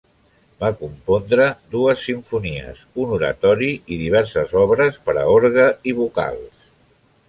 Va compondre dues simfonies, un Oratori i diverses obres per a orgue i vocals.